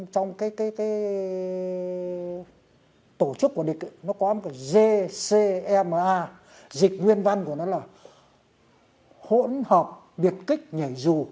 trong cái tổ chức của địch nó có một cái gcma dịch nguyên văn của nó là ở hỗn hợp biệt kích nhảy dù